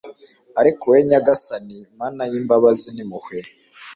Ariko wowe Nyagasani Mana y’imbabazi n’impuhwe